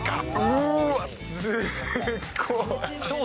うーわ、すっごい。